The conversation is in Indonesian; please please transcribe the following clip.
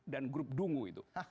dan grup dungu itu